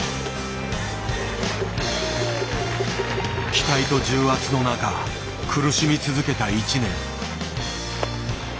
期待と重圧の中苦しみ続けた１年。